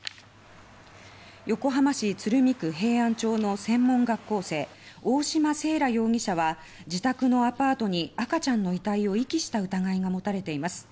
横浜市鶴見区平安町の専門学校生大嶋清良容疑者は自宅のアパートに赤ちゃんの遺体を遺棄した疑いが持たれています。